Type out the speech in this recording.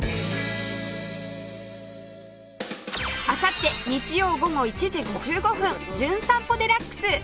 あさって日曜午後１時５５分『じゅん散歩デラックス』！